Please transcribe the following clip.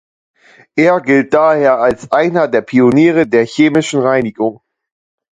Er gilt daher als einer der Pioniere der Chemischen Reinigung.